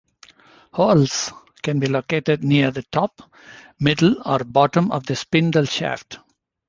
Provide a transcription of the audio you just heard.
Whorls can be located near the top, middle or bottom of the spindle shaft.